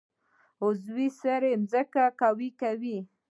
عضوي سره ځمکه قوي کوي.